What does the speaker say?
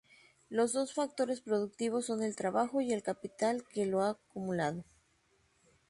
Los dos factores productivos son el trabajo y el capital que lo ha acumulado.